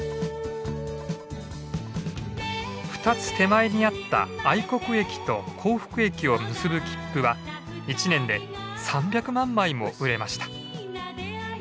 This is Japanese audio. ２つ手前にあった愛国駅と幸福駅を結ぶ切符は１年で３００万枚も売れました。